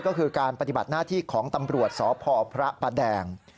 ก็คือการปฏิบัติหน้าที่ของตำรวจสพพระประแดง